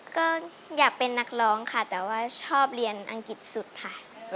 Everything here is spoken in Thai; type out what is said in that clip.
ก็อยากเป็นนักร้องค่ะแต่ว่าชอบเรียนอังกฤษสุดค่ะ